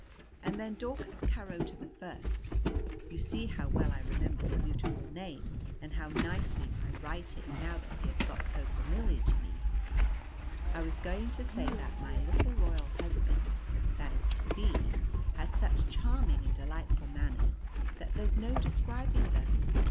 And then, Daucus Carota the First (you see how well I remember the beautiful name and how nicely I write it now that has got so familiar to me), I was going to say that my little royal husband, that is to be, has such charming and delightful manners that there's no describing them.